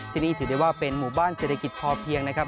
ที่นี่ถือได้ว่าเป็นหมู่บ้านเศรษฐกิจพอเพียงนะครับ